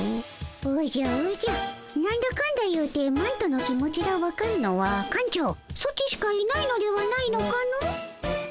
おじゃおじゃなんだかんだ言うてマントの気持ちがわかるのは館長ソチしかいないのではないのかの？